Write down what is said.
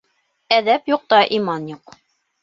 Әҙәп юҡта иман юҡ.